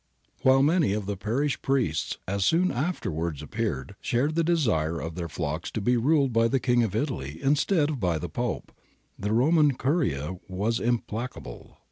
^ While many of the parish priests, as soon afterwards appeared, shared the desire of their flocks to be ruled by the King of Italy instead of by the Pope,' ^ the Roman curia was implacable.